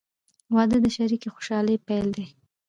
• واده د شریکې خوشحالۍ پیل دی.